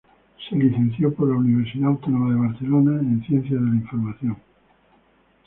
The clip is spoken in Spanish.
Se licenció en la Universidad Autónoma de Barcelona en Ciencias de la Información.